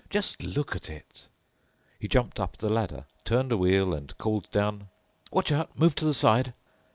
Just look at it!" He jumped up the ladder, turned a wheel, and called down, "Watch out—move to the side!"